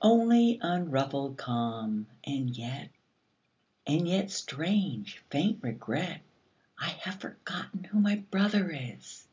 Only unruffled calm; and yet — and yet — Strange, faint regret — I have forgotten who my brother is!